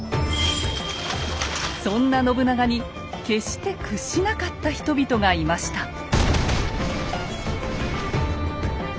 そんな信長に決して屈しなかった人々がいました。